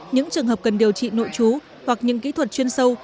những trường hợp cần điều trị nội chú hoặc những kỹ thuật chuyên sâu